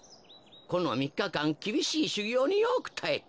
このみっかかんきびしいしゅぎょうによくたえた。